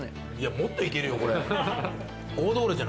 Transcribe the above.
もっといけるよ。